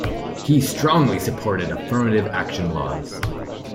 He strongly supported affirmative action laws.